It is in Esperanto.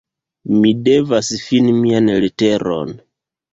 Mi devas ﬁni mian leteron.